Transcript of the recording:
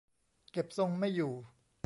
เก็บทรงไม่อยู่